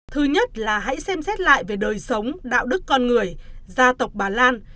thứ nhất là hãy xem xét lại về đời sống đạo đức con người gia tộc bà lan